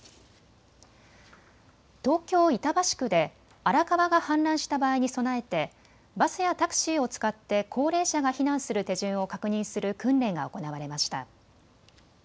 東京板橋区で荒川が氾濫した場合に備えてバスやタクシーを使って高齢者が避難する手順を確認する訓練が行われました。